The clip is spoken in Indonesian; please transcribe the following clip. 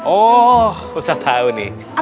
oh usah tau nih